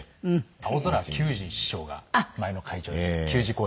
青空球児師匠が前の会長でした球児・好児の。